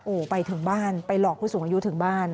โอ้โหไปถึงบ้านไปหลอกผู้สูงอายุถึงบ้าน